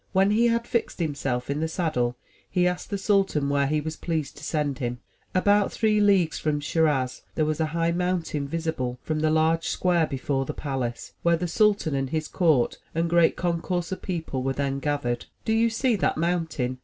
When he had fixed himself in the saddle, he asked the sultan where he was pleased to send him. About three leagues from Schiraz there was a high mountain visible from the large square before the palace, where the sultan and his court and a great concourse of people were then gathered. '*Do you see that mountain?'